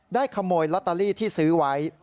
ขโมยลอตเตอรี่ที่ซื้อไว้